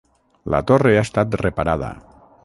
La torre ha estat reparada.